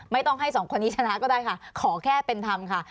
ไม่ต้องให้สองคนนี้ชนะก็ได้ค่ะขอแค่เป็นธรรมค่ะ